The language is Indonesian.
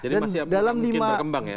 jadi masih mungkin berkembang ya